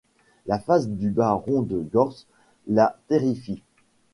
La face du baron de Gortz la terrifie…